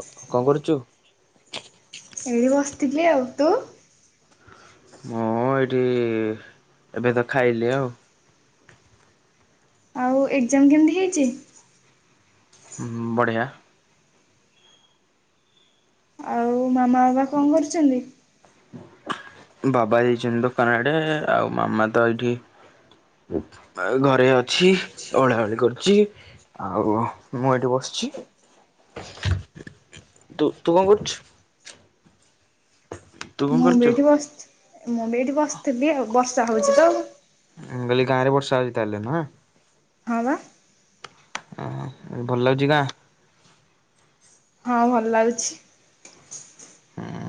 କଣ କରୁଚୁ? ଏଠି ବସିଥିଲି ଆଉ। ତୁ ହଁ ଏଇଠି ଏବେ ତ ଖାଇଲି ଆଉ। ଆଉ ଏକ୍ଜାମ କେମିତି ହେଇଚି? ହୁଁ ବଢ଼ିଆ। ଆଉ ମାମା, ବାବା କଣ କରୁଛନ୍ତି? ବାବା ଯାଇଛନ୍ତି ତ ପ୍ଲାଣ୍ଟ ଆଉ ମାମା ତ ଏଇଠି ଆଉ ଘରେ ଅଛି, ଓଳ ଓଳି କରୁଚି। ଆଉ ମୁଁ ଏଇଠି ବସିଛ। ତୁ ତୁ କଣ କରୁଛୁ? [unintelligible] ମୁଁ ବି ଏଇଠି ବସିଛି ମୁଁ ବି ଏଇଠି ବସିଥିଲି ଆଉ ବର୍ଷା ହଉଚି ତଉ। ମୁଁ କହଲି ଗାଁରେ ବର୍ଷା ହଉଚି ତାହେଲେ ନା? ହଁ ବା ଅ ହ ଭଲ ଲାଗୁଚି ଗାଁ? ହଁ ଭଲ ଲାଗୁଛି।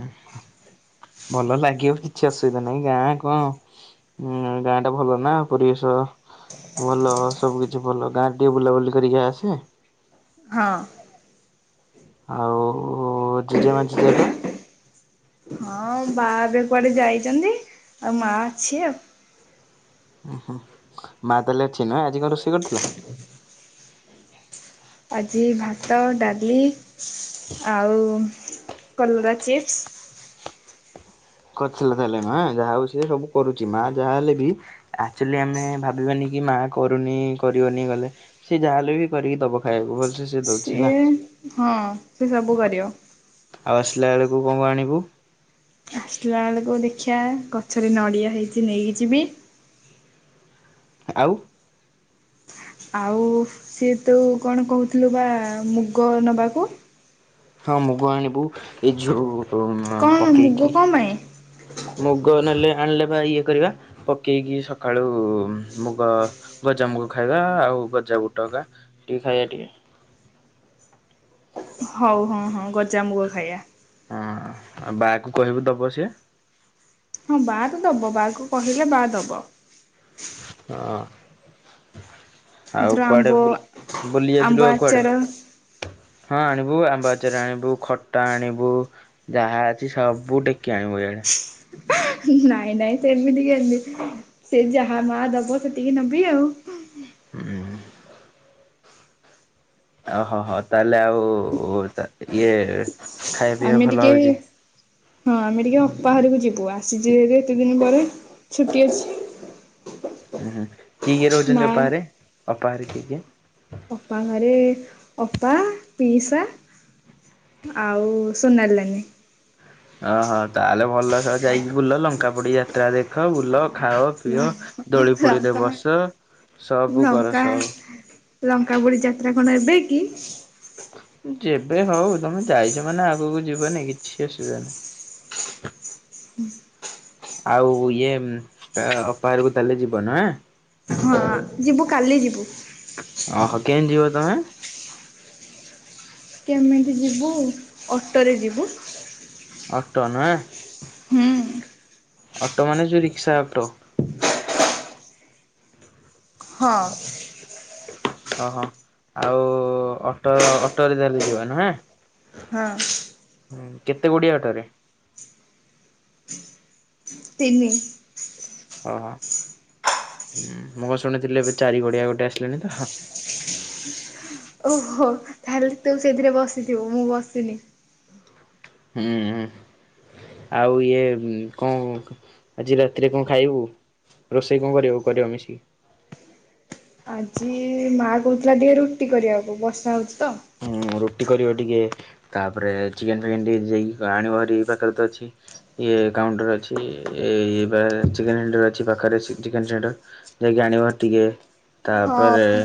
[unintelligible] ଭଲ ଲାଗିବ କିଛି ଅସୁବିଧା ନାହିଁ ଗାଁ କଣ ହୁଁ ଗାଁ ଟା ଭଲ ନା ପରିବେଶ ଭଲ ସବୁ କିିଛି ଭଲ, ଗାଁରେ ଟିକେ ବୁଲାବୁଲି କରିକି ଆସେ। ହଁ ଆଉ ଜେଜେମା, ଜେଜେବାପା ହଁ ବାହରେ କୁଆଡେ ଯାଇଛନ୍ତି, ଆଉ ମା ଅଛି ଆଉ। ଉୁ ହୁଁ ମା ତାହେଲେ ଅଛି ନା ଆଜି କଣ ରୋଷେଇ କରିଥିଲା? ଆଜି ଭାତ, ଡାଲି ଆଉ କଲରା ଚିପ୍ସ କରିଥିଲା ତାହେଲେ ମା ଯାହା ହଉ ସିଏ ସବୁ କରୁଚି। ମା ଯାହାହଲେ ବି ଆକଚୁଲି ଆମେ ଭାବିବାନି କି ମା କରୁନି କରିବନି ଗଲେ ସେ ଯାହାହେଲେ ବି କରିକି ଦବ ଖାଇବାକୁ ଭଲସେ ସିଏ ଦଉଚି ହେଲା‌। ହଁ ସେ ସବୁ କରିବ। ଆଉ ଆସିଲା ବେଳକୁ କଣ କଣ ଆଣିବୁ? ଆସିଲା ବେଳକୁ ଦେଖିବା ଗଛରେ ନଡ଼ିଆ ହେଇଛି ନେଇକିଯିବି। ଆଉ। ଆଉ ସିଏ ତୁ କଣ କହୁଥିଲୁ ବା ମୁଗ ନବାକୁ? ହଁ ମୁଗ ଆଣିବୁ ଏଇ ଯୋଉ କଣ ମୁଗ ପକେଇକି କଣ ପାଇଁ? ମୁଗ ନେଲେ ଆଣିଲେ ବା ଇଏ କରିବା। ପକେଇକି ସକାଳୁ ମୁଗ ଗଜାମୁଗ ଖାଇବା ଆଉ ଗଜା ବୁଟକା ଟିକେ ଖାଇବା ଟିକେ। ହଉ ହଁ ହଁ ଗଜାମୁଗ ଖାଇବା। ହଁ ଆଉ ବାଆକୁ କହିବୁ ଦବ ସିଏ। ହଁ ବା ତ ଦବ ବାକୁ କହିଲେ ବା ଦବ। ହଁ। ଏଥର ଆଉ ଆମ୍ବ କୁଆଡେ ବୁଲ୍ ବୁଲି ଆମ୍ବ ଯାଇଥିଲୁ ଆଉ କୁଆଡେ। ଆଚାର ହଁ ଆଣିବୁ ଆମ୍ବ ଆଚାର ଆଣିବୁ ଖଟା ଆଣିବୁ- ଯାହା ଅଛି ସବୁ ଟେକି ଆଣିବୁ ଏଆଡ଼େ ନାଇଁ ନାଇଁ ସେମିତି କେମିତି ସେ ଯାହା ମା ଦବ ସେତିକି ନେବି ଆଉ ହୁଁ। ଓହୋ ହ ତାହେଲେ ଆଉ ତ ଇଏ ଖାଇବା ପିଇବା ଆମେ ଭଲ ଟିକେ। ହଉଛି। ହଁ ଆମେ ଟିକେ ଅପା ଘରକୁ ଯିବୁ ଆସିଛୁ ଏ ଏତେ ଦିନ ପରେ ଛୁଟି ଅଛି। ହଁ ହୁଁ କିଏ କିଏ ରହୁଛନ୍ତି ମା ଅପା ଘରେ ଅପା ଘରେ କିଏ କିଏ? ଅପା ଘରେ ଅପା ପିଇସା ଆଉ ସୋନାଲ ନାନୀ। ଓହୋ ତାହେଲେ ଭଲ ସବୁ ଯାଇକି ବୁଲ ଲଙ୍କା ପଡି ଯାତ୍ରା ଦେଖ ବୁଲ ଖାଅ। ପିଅ ଦୋଳି ଫୋଳିରେ ଲଙ୍କା ବସ ସବୁ କର ସବୁ ଲଙ୍କାପୁଡ଼ି ଯାତ୍ରା କଣ ଏବେ କି? ଯେବେ ହଉ ତମେ ଯାଇଛ ମାନେ ଆଗକୁ ଯିବନି, କିଛି ଅସୁବିଧା ନାହିଁ। ଆଉ ଇଏ--ଅପାଘରକୁ ତାହେଲେ ଯିବନା ହଁ ଯିବୁ କାଲି ଯିବୁ ଓହୋ କେନ ଯିବ ତମେ କେମିତି ଯିବୁ ଅଟୋରେ ଯିବୁ ଅଟୋ ନା ହୁଁ ଅଟୋ ମାନେ ଯୋଉ ରିକ୍ସା ଅଟୋ। ହଁ ଓହୋ ଆଉ--ଅଟୋ ଅଟୋରେ ଧରିକି ଯିବ ନୁହେଁ। ହଁ ହୁଁ କେତେ ଗୁଡିଆ ଓଟୋ ରେ ତିନି ଓହୋ ମୁଁ ଶୁଣିଥିଲି ଏବେ ଚାରି ଗୁଡିଆ ଗୋଟେ ଆସିଲାଣି ତ ଓହୋ--ତାହେଲେ ତୁ ସେଥିରେ ବସିଥିବୁ ମୁଁ ବସିନି ହୁଁ। ଆଉ ଇଏ କଣ ଆଜି ରାତିରେ କଣ ଖାଇବୁ? ରୋଷେଇ କଣ କରିବ କରିବା ମିଶିକି? ଆଜି ମା କହୁଥିଲା ଟିକେ ରୁଟି କରିବାକୁ ବର୍ଷା ହଉଛି ତ। ଉଁ-ଉ ରୁଟି କରିବ ଟିକେ, ତାପରେ ଚିକେନ୍ ଫିକେନ୍ ଟିକେ ଯାଇକି ଆଣିବ ଭାରି ପାଖରେ ତ ଅଛି। ଇଏ କାଉଣ୍ଟର ଅଛି। ଏ- ଇଏ ବା- ଚିକେନ୍ ସେଣ୍ଟର ଅଛି, ପାଖରେ ଚିକେନ୍ ସେଣ୍ଟର। ଯାଇକି ଆଣିବ ଟିକେ ତାପରେ ହଁ,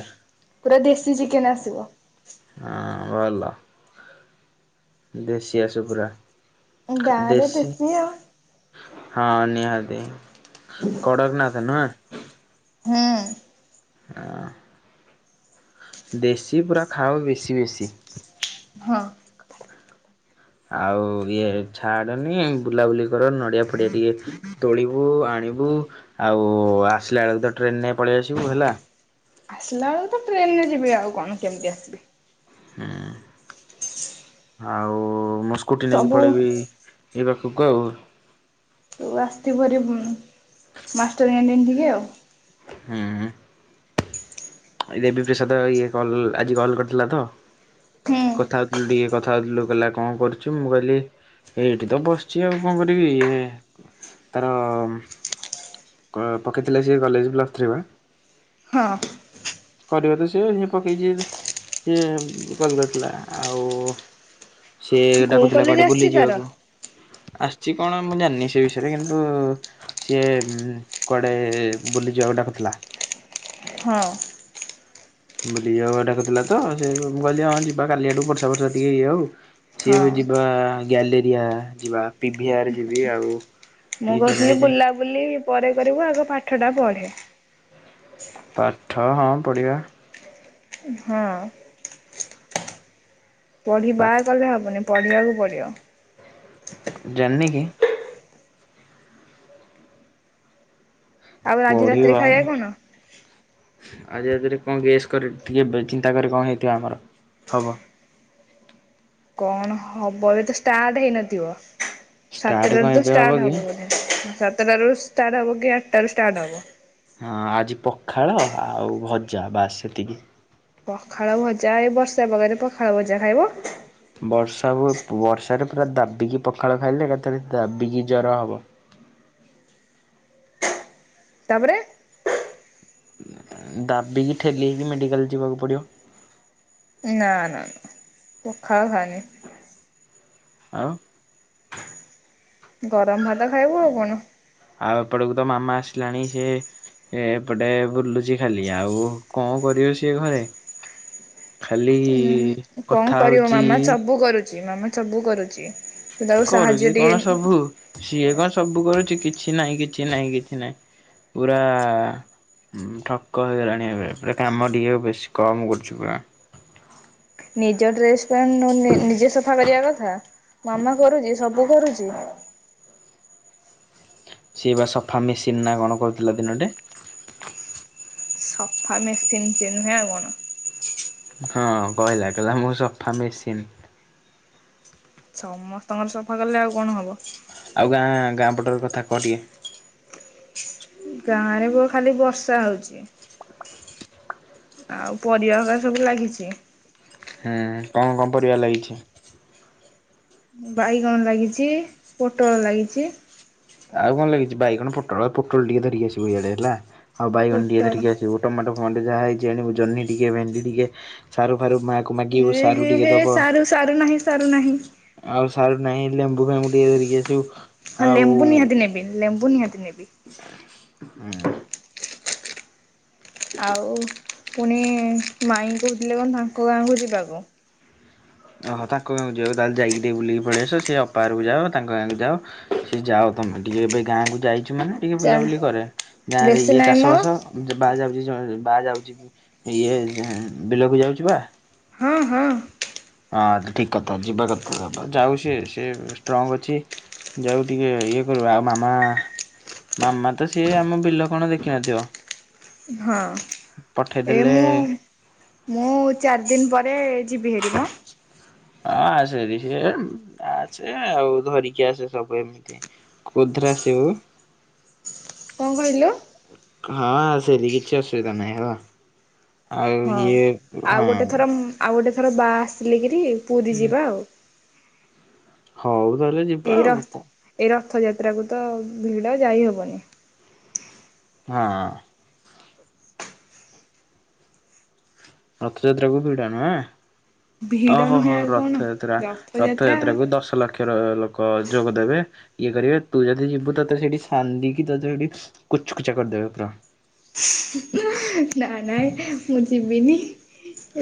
ପୁରା ଦେଶୀ ଚିକେନ୍ ଆସିବ। ହଁ ଭଲ। ଦେଶୀ ଆସୁ ପୁରା, ଗାଁରେ ଦେଶୀ। ଆଉ। ହଁ, ନିହାତି କଡ଼ର ନାଥ ନୁହେଁ! ହୁଁ ଅଁ। ଦେଶୀ ପୁରା ଖାଅ ବେଶୀ ବେଶୀ। ହଁ। ଆଉ ଇଏ ଛାଡନି, ବୁଲାବୁଲି କର ନଡିଆ ଫଡିଆ ଟିକେ ତୋଳିବୁ, ଆଣିବୁ, ଆଉ ଆସିଲା ବେଳକୁ ତ ଟ୍ରେନ୍ ନେ ପଳେଇ ଆସିବୁ ହେଲା। ଆସିଲା ବେଳକୁ ତ ଟ୍ରେନରେ ଯିବି, ଆଉ କଣ କେମିତି ଆସିବି? ହୁଁ, ଆଉ ମୁଁ ସ୍କୁଟି ନେଇକି ସବୁ ପଳେଇବି। ଏଇ ବାଖକୁ ଆଉ। ତୁ ଆସିଥିବୁହାରି ଉଁ ମାଷ୍ଟରକାଣ୍ଟିନ୍ ଠିକି ଆଉ। ହୁଁ, ହୁଁ। ଦେବୀ ପ୍ରସାଦ ଇଏ କଲ୍ ଆଜି କଲ୍ କରିଥିଲା ତ? ହୁଁ କଥା ହଉଥିଲୁ ଟିକେ, କଥା ହଉଥିଲୁ କହିଲା କଣ କରୁଛୁ? ମୁଁ କହିଲି ଏଇଠି ତ ବସିଛି, ଆଉ କଣ କରିବି? ତାର-ଅମ୍ ଅ ପକେଇଥିଲେ ସିଏ କଲେଜ ପ୍ଲସ୍ ଥ୍ରୀ ବା? ହଁ। କରିବା ତ ସିଏ। ହିଏ ପକେଇଛିି, ସିଏ କଲ୍ କରିଥିଲା, ଆଉ ସିଏ କୋଉ ଡାକୁଥିଲା, କଲେଜ କୁଆଡେ ଆସିଛି ବୁଲି ତାର? ଯିବାକୁ? ଆସିଛି କଣ ମୁଁ ଜାଣିନି ସେ ବିଷୟରେ, କିନ୍ତୁ ସିଏମ୍ କୁଆଡେ ବୁଲି ଯିବାକୁ ଡାକୁଥିଲା। ହଁ। ବୁଲି ଯିବାକୁ ଡାକୁଥିଲା ତ, ସେ ମୁଁ କହିଲି ହଁ ଯିବା କାଲି ଆଡକୁ ବର୍ଷା ଫର୍ଷା ଟିକେ ଇଏ ହଉ। ସିଏ ହଁ। ବି ଯିବା ଗ୍ୟାଲେରିଆ ଯିବା। ପିଭିିଆର ଯିବି ଆଉ, ଭିଜର ଆଡେ ଯେ ବୁଲି ପରେ କରିବୁ, ଆଗ ପାଠଟା ପଢ଼େ। ପାଠ ହଁ ପଢ଼ିବା। ହଁ। ପା ପଢିବା କଲେ ହବନି, ପଢ଼ିବାକୁ ପଡିବ। ଜାନ୍ନିକି! ଆଉ ଆଜି ରାତିରେ ପଢ଼ିବାନ୍ ଖାଇବା କଣ? ଆଜି ଆଧେରେ କଣ ଗେସ୍ କର ଟିକେ ବେ ଚିନ୍ତା କର କଣ ହେଇଥିବ ଆମର, ହବ? କଣ ହବ ଏବେ ତ ଷ୍ଟାର୍ଟ ହେଇନଥିବ? ଷ୍ଟାର୍ଟ ସାତଟାରେ କଣ ତ ଏବେ ଷ୍ଟାର୍ଟ କି ହବ ବୋଧେ! ସାତଟାରୁ ଷ୍ଟାର୍ଟ ହବ କି, ଆଟ୍ଟାରୁ ଷ୍ଟାର୍ଟ ହବ। ହଁ, ଆଜି ପଖାଳ ଆଉ ଭଜା ବାସ୍ ସେତିକି। ପଖାଳ, ଭଜା ଏଇ ବର୍ଷା ପାଗରେ ପଖାଳ ଭଜା ଖାଇବ? ବର୍ଷା ହୁଏ ବର୍ଷାରେ ପୁରା ଦାବିକି ପଖାଳ ଖାଇଲେ, ଏକାଥରେ ଦାବିକି ଜର ହବ। ତା'ପରେ? ଦାବିକି ଠେଲି ହେଇକି, ମେଡ଼ିକାଲ୍ ଯିବାକୁ ପଡ଼ିବ। ନା, ନା, ନା ପଖାଳ ଖାନି। ଆଉ ଗରମ ଭାତ ଖାଇବୁ ଆଉ କଣ ଆଉ ଏପଟକୁ ତ ମାମା ଆସିଲାଣି, ସେ ଏ ଏପଟେ ବୁଲୁଚି ଖାଲି, ଆଉ କଣ କରିବ ସିଏ ଘରେ? ଖାଲି ଉଁ କଣ କଥା କରିବ, ହଉଛି ମାମା ଚବୁ କରୁଛି, ମାମା ଚବୁ କରୁଛି। ତୁ ତାକୁ ସାହାଯ୍ୟ କରୁଛି କଣ ଟିକେ ସବୁ ସିଏ କଣ ସବୁ କରୁଛି କିଛି ନାଇଁ କିଛି ନାଇଁ କିଛି ନାଇଁ। ପୁରା ଠକ ହେଇଗଲାଣି ଏବେ ପୁରା କାମ ଟିକେ ବେଶୀ କମ୍ କରୁଛୁ ପୁରା। ନିଜ ଡ୍ରେସ ପ୍ୟାଣ୍ଟ ନ ନିଜେ ସଫା କରିବା କଥା। ମାମା କରୁଛି ସବୁ କରୁଛି। ସିଏ ବା ସଫା ମେସିନ୍ ନା କଣ କରୁଥିଲା ଦିନଟେ ସଫା ମେସିନ୍ ଚନ୍ୁଁ କନ [inaudible] ହଁ କହିଲା କହିଲା ମୁଁ ସଫା ମେସିନ୍ ସମସ୍ତଙ୍କର ସଫା କଲେ ଆଉ କଣ ହବ? ଆଉ ଗାଁ ଗାଁ ପଟରେ କଥା କହ ଟିକଏ। ଗାଁରେ ବୋ ଖାଲି ବର୍ଷା ହଉଛି। ଆଉ ପରିବା ଗୁରା ସବୁ ଲାଗିଛି ‌। ହୁଁ କଣ କଣ ପରିବା ଲାଗିଛି? ବାଇଗଣ ଲାଗିଛି, ପୋଟଳ ଲାଗିଛି। ଆଉ କଣ ଲାଗିଛି? ବାଇଗଣ ପୋଟଳ, ପେଟଳ ଟିକେ ଧରିକି ଆସିବୁ ଇଡେ ହେଲା, ଆଉ ବାଇଗଣ ଟିକେ ପୋଟଳ ଧରିକି ଆସିବୁ ଟମାଟୋ ଫମାଟ ଯାହା ହେଇଛି ଆଣିବୁ, ଜହ୍ନି ଟିକେ, ଭେଣ୍ଡି ଟିକେ, ସାରୁ ଫାରୁ ମା ଏ ହେ ହେ ସାରୁ ସାରୁ ନାହିଁ ସାରୁ ନାହିଁ। ଆଉ ସାର ନାହିଁ ଲେମ୍ବୁ ଫେଙ୍ଗୁ ଟିକଏ ଧରିକି ଆସିବୁ। ହଁ ଆଉ ଲେମ୍ବୁ ନିହାତି ନେବି, ଲେମ୍ବୁ ନିହାତି ନେବି। ହୁଁ। ଆଉ ପୁଣି ମାଇଁ କହୁଥିଲେ କଣ ତାଙ୍କ ଗାଁକୁ ଯିବାକୁ। ଓହୋ ତାଙ୍କ ଗାଁ ଯିବାକୁ ତାହେଲେ ଯାଇକି ଟିକେ ବୁଲିକି ପଳିଆସ। ସେ ଅପା ଘରକୁ ଯାଅ, ତାଙ୍କ ଗାଁ କୁ ଯାଅ। ସେ ଯାଅ ତମେ ଟିକେ ଏବେ ଗାଁକୁ ଯାଇଛୁ ମାନେ ଟିକେ ଚା ବୁଲାବୁଲି କରେ। ଗାଁ ରେ ବେଶୀ ଇଏ ନାହିଁ ଚାଷ ମ ବାସ ସେ ବା ଯାଉଛି ବାହା ଯାଉଛି, ଇଏ ବିଲକୁ ଯାଉଛି ବା। ହଁ ହଁ। ହଁ ଠିକ କଥା ଯିବା କଥା। ଯାଉ ସିଏ, ସେ ଷ୍ଟ୍ରଙ୍ଗ ଅଛି। ଯାଉ ଟିକେ ଇଏ କରୁ, ଆଉ ମାମା ମାମା ତ ସିଏ ଆମ ବିଲ କଣ ଦେଖିନଥିବ। ହଁ। ଏ ପଠେଇଦେଲେ ମୁଁ ମୁଁ ଚାରି ଦିନି ପରେ ଯିବି ହେରି ମ ହଁ ଆସ ଟିକେ ସେ ଆସେ ଆଉ ଧରିକି ଆସେ ସବୁ ଏମିତି ଉଧ୍ରା ସେଉ କଣ କହିଲୁ? ହଁ ସେଠି କିଛି ଅସୁବିଧା ନାହିଁ ହେଲା ଆଉ ହଁ ଇଏ ଆଉ ଗୋଟେ ଥର ହଁ। ଆଉ ଗୋଟେ ଥର ବାହା ଆସିଲେ କିରି ପୁରୀ ଯିବା ଆଉ। ହଉ ତାହେଲେ ଯିବା ଆଉ କଣ। ଏ ରଥଯାତ୍ରା କୁ ତ ଭିଡ ଯାଇହବନି। ହଁ। ରଥଯାତ୍ରା କୁ ଭିଡ଼ ନୁହେଁ। ଭିଡ଼ ଓହୋ ହୋ ନୁହେଁ ଆଉ କଣ ରଥଯାତ୍ରା, ରଥଯାତ୍ରା ରଥଯାତ୍ରାକୁ ଦଶ ଲକ୍ଷ ର ଲୋକ ଯୋଗଦେବେ ଇଏ କରିବେ, ତୁ ଯଦି ଯିବୁ ତତେ ସେଇଠି ସାନ୍ଦିକି ତତେ ସେଠି କୁଚକୁଚା କରିଦେବେ ପୁରା। ନା ନାଇଁ, ମୁଁ ଯିବିନି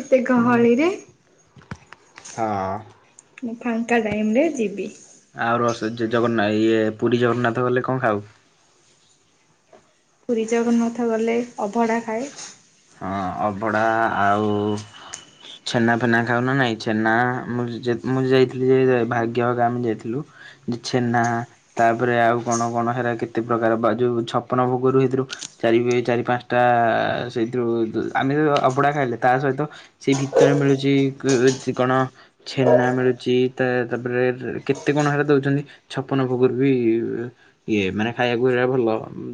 ଏତେ ଗହଳିରେ। ହଁ। ମୁଁ ଫାଙ୍କା ଟାଇମରେ ଯିବି। ଆଉ ର ଜଗନ୍ନାଥ ଇଏ ପୁରୀ ଜଗନ୍ନାଥ ଗଲେ କଣ ଖାଉ? ପୁରୀ ଜଗନ୍ନାଥ ଗଲେ ଅଭଡ଼ା ଖାଏ। ହଁ, ଅଭଡ଼ା ଆଉ ଛେନା ଫେନା ଖାଉ ନା ନାଇଁ? ଛେନା ମୁଁ ଯାଇଥିଲି ଯେ ଭାଗ୍ୟ ହେରିକା ଆମେ ଯାଇଥିଲୁ। ଛେନା ତାପରେ ଆଉ କଣ କଣ ହେରା କେତେ ପ୍ରକାର ବା ଯୋଉ ଛପନ ଭୋଗରୁ ହେଇଥିରୁ ଚାରି ଚାରି ପାଞ୍ଚଟା ସେଇଥିରୁ ଆମେ ଅଭଡ଼ା ଖାଇଲେ ତା ସହିତ ସେ ଭିତରେ ମିଳୁଚି କଣ ଛେନା ମିଳୁଚି ତା ତାପରେ କେତେ କଣ ହେରା ଦଉଚନ୍ତି। ଛପନ ଭୋଗରୁ ବି ଇଏ ମାନେ ଖାଇଆକୁ ହେରା ଭଲ।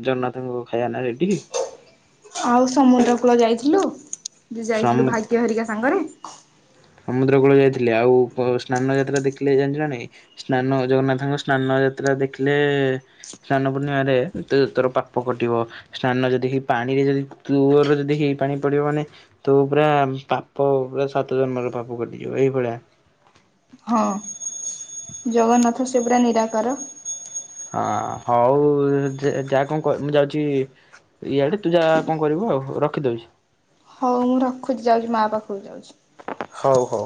ଜଗନ୍ନାଥଙ୍କ ଖାଇବା ନା ସେଠିକି। ଆଉ ସମୁଦ୍ର କୂଳ ଯାଇଥିଲୁ? ଯୋଉ ଯାଇଥିଲୁ ସମ ଭାଗ୍ୟ ହେରିକା ସାଙ୍ଗରେ। ସମୁଦ୍ର କୂଳ ଯାଇଥିଲି ଆଉ ସ୍ନାନ ଯାତ୍ରା ଦେଖିଲେ ଜାଣିିଚୁ ନା ନାଇଁ ସ୍ନାନ, ଜଗନ୍ନାଥଙ୍କ ସ୍ନାନ ଯାତ୍ରା ଦେଖିଲେ ସ୍ନାନ ପୂର୍ଣ୍ଣିମାରେ ତୋର ପାପ କଟିବ। ସ୍ନାନ ଯଦି ଏହି ପାଣି ରେ ଯଦି ତୂର ଯଦି ହେଇ ପାଣି ପଡିବ ମାନେ ତୁ ପୁରା ପାପ ପୁରା ସାତ ଜନ୍ମର ପାପ କଟିଯିବ ଏହିଭଳିଆ। ହଁ, ଜଗନ୍ନାଥ ସେ ପୁରା ନିରାକର। ହଁ, ହଉ ଯା କଣ କ ମୁଁ ଯାଉଚି ଇଆଡେ ତୁ ଯା କଣ କରିବୁ ଆଉ ରଖିଦଉଚି। ହଉ ମୁଁ ରଖୁଚି ଯାଉଚି ମା ପାଖୁକୁ ଯାଉଚି। ହଉ ହଉ।